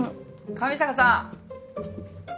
・上坂さん！